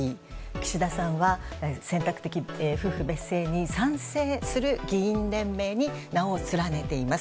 岸田さんは、選択的夫婦別姓に賛成する議員連盟に名を連ねています。